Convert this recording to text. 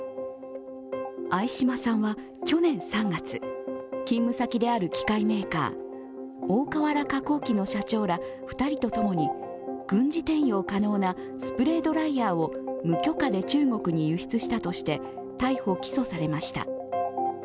相嶋さんは去年３月、勤務先である機械メーカー大川原工機の社長ら２人とともに軍事転用可能なスプレードライヤーを無許可で中国に輸出したとして逮捕・起訴されました。